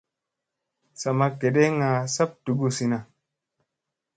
Sa ma geɗeŋ saɓk duguzina.